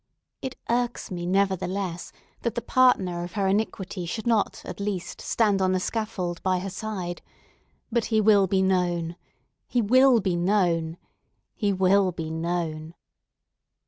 It irks me, nevertheless, that the partner of her iniquity should not at least, stand on the scaffold by her side. But he will be known—he will be known!—he will be known!"